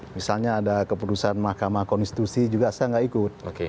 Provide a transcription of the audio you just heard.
misalnya ada keputusan mahkamah koninstitusi juga saya tidak ikut